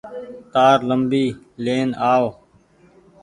تآر ليمبي لين آئو۔